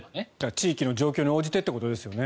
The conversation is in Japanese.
地域の状況に応じてということですよね。